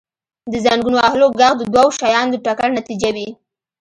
• د زنګون وهلو ږغ د دوو شیانو د ټکر نتیجه وي.